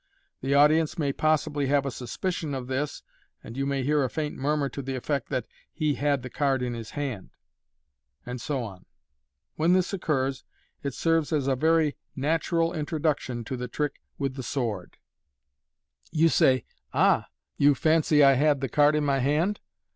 The audience may possibly have a suspicion of tfiis, and you may hear a faint murmur to the effect that " he had the card in his hand !' iod so on. When this occurs, it serves as a very natural introduction to the trick with the sword. You say, " Ah ! you fancy [ had the card in my hand?